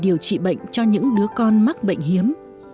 điều trị bệnh cho những đứa con mắc bệnh hiếm